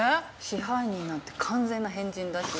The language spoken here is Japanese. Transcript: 支配人なんて完全な変人だし。